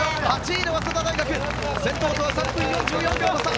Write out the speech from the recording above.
８位に早稲田大学先頭とは３分４４秒差。